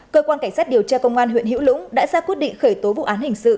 cơ quan cảnh sát điều tra công an huyện hữu lũng đã ra quyết định khởi tố vụ án hình sự